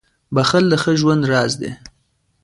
• بښل د ښه ژوند راز دی.